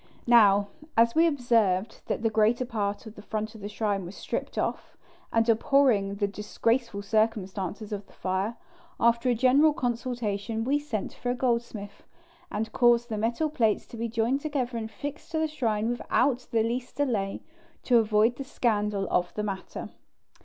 Now, as we observed that the greater part of the front of the shrine was stripped off, and abhorring the disgraceful circumstances of the fire, after a general consultation we sent for a goldsmith, and caused the metal plates to be joined together and fixed to the shrine without the least delay, to avoid the scandal of the matter.